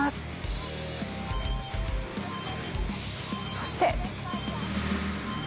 そして。